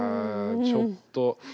ちょっと。